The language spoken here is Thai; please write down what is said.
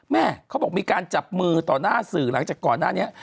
แม่เขาบอกมีการจับมือต่อหน้าสื่อหลังจากก่อนหน้านี้